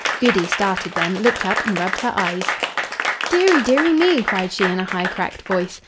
Goody started then, looked up, and rubbed her eyes. "Deary, deary me!" cried she, in a high, cracked voice.